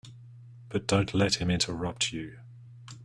But don't let him interrupt you.